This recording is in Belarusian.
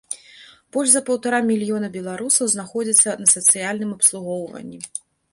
Больш за паўтара мільёна беларусаў знаходзяцца на сацыяльным абслугоўванні.